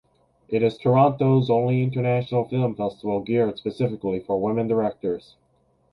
It is Toronto’s only international film festival geared specifically for women directors.